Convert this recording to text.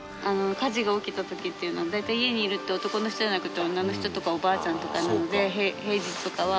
火事が起きた時っていうのは大体家にいるって男の人じゃなくて女の人とかおばあちゃんとかなので平日とかは。